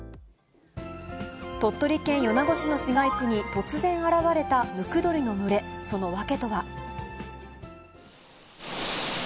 鳥取県米子市の市街地に突然現れたムクドリの群れ、その訳とは。